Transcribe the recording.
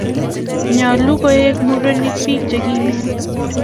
nyoluu koek murenik biik chekimen